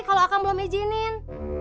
kalau akang belum izinin